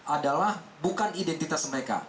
adalah bukan identitas mereka